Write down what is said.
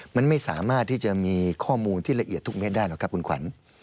มันไม่สามารถที่จะมีข้อมูลที่ละเอียดทุกเม็ดได้หรอกครับคุณขวัญ